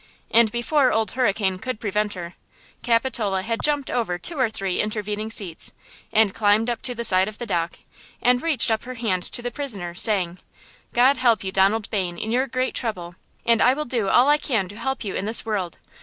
And before Old Hurricane could prevent her, Capitola had jumped over two or three intervening seats and climbed up to the side of the dock, and reached up her hand to the prisoner, saying: "God help you, Donald Bayne, in your great trouble, and I will do all I can to help you in this world.